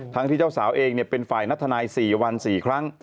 ทั้งที่เจ้าสาวเองเป็นฝ่ายนัดทนาย๔วัน๔ครั้ง